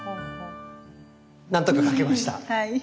何とか描けました。